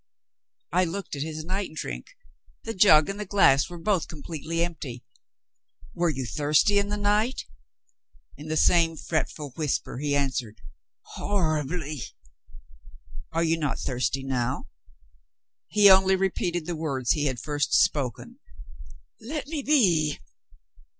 I looked at his night drink. The jug and glass were both completely empty. "Were you thirsty in the night?" In the same fretful whisper he answered, "Horribly!" "Are you not thirsty now?" He only repeated the words he had first spoken "Let me be!"